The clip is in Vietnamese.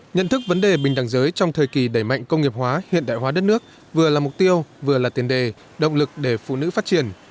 nhận thức vấn đề bình đẳng giới trong thời kỳ đẩy mạnh công nghiệp hóa hiện đại hóa đất nước vừa là mục tiêu vừa là tiền đề động lực để phụ nữ phát triển